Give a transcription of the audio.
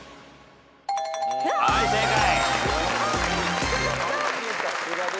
はい正解。